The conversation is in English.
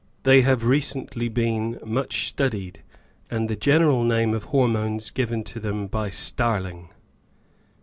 They have recently been much studied, and the general name of Hormones given to them by Starling.